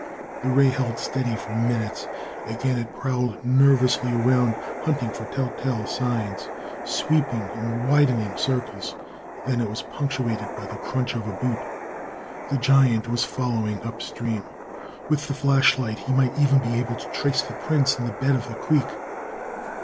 The ray held steady for minutes. Again it prowled nervously around, hunting for tell tale signs, sweeping in widening circles. Then, it was punctuated by the crunch of a boot. The giant was following upstream! With the flashlight, he might even be able to trace the prints in the bed of the creek.